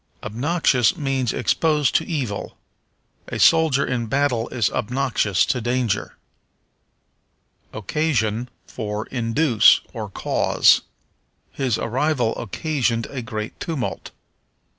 Obnoxious means exposed to evil. A soldier in battle is obnoxious to danger. Occasion for Induce, or Cause. "His arrival occasioned a great tumult."